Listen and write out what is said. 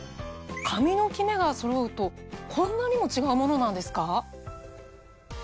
髪のキメがそろうとこんなにも違うものなんですか？